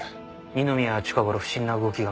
二宮は近頃不審な動きが目立つ。